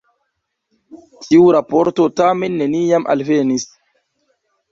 Tiu raporto tamen neniam alvenis.